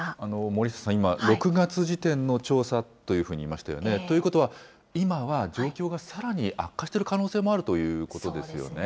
森下さん、今、６月時点の調査というふうに言いましたよね、ということは、今は状況がさらに悪化している可能性もあるということですよね。